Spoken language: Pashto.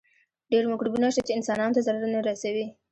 ډېر مکروبونه شته چې انسانانو ته ضرر نه رسوي.